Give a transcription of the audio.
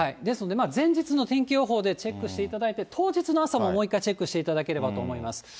ですので、前日の天気予報でチェックしていただいて、当日の朝ももう一回チェックしていただければと思います。